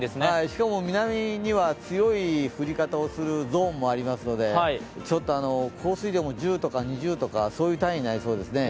しかも南には強い降り方をするゾーンもありますので、降水量も１０とか２０という単位になりそうですね。